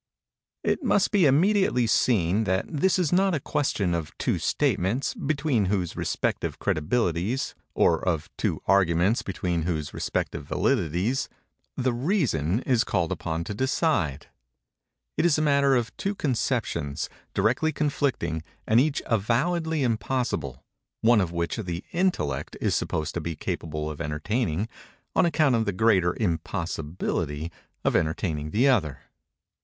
It must be immediately seen that this is not a question of two statements between whose respective credibilities—or of two arguments between whose respective validities—the reason is called upon to decide:—it is a matter of two conceptions, directly conflicting, and each avowedly impossible, one of which the intellect is supposed to be capable of entertaining, on account of the greater impossibility of entertaining the other.